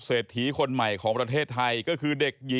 เศรษฐีคนใหม่ของประเทศไทย